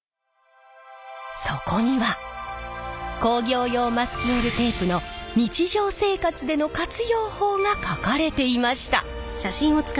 そこには工業用マスキングテープの日常生活での活用法が書かれていました。